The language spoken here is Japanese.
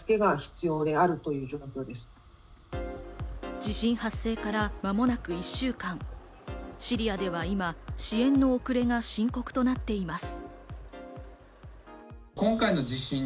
地震発生から間もなく１週間、シリアでは今、支援の遅れが深刻となっています。